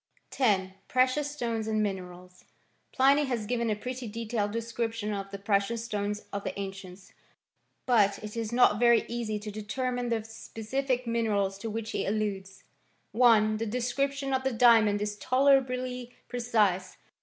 X.— PHECIOUS STONES AKD MINERALS. Pliny has given a pretty detailed description of thel precious stones of the ancients ; but it is not very ea&y to determine the specific minerals to which he al > ludes. 1 . The description of the diamond is tolerably pre^ cise.